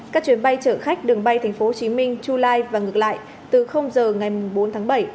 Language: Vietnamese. các chuyến bay chở khách đường bay thành phố hồ chí minh july và ngược lại từ giờ ngày bốn tháng bảy